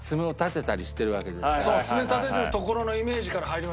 爪立ててるところのイメージから入りました僕は。